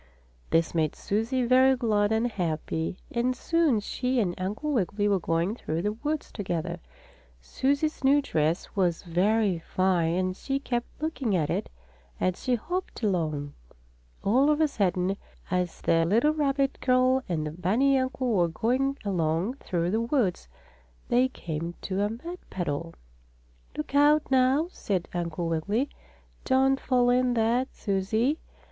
This made Susie very glad and happy, and soon she and Uncle Wiggily were going through the woods together. Susie's new dress was very fine and she kept looking at it as she hopped along. All of a sudden, as the little rabbit girl and the bunny uncle were going along through the woods, they came to a mud puddle. "Look out, now!" said Uncle Wiggily. "Don't fall in that, Susie."